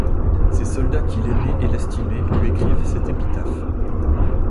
Ses soldats qui l'aimaient et l'estimaient, lui écrivent cette épitaphe.